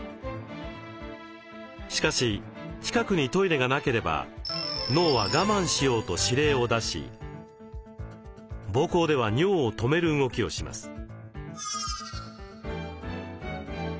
しかし近くにトイレがなければ脳は我慢しようと指令を出し膀胱では尿を止める動きをします。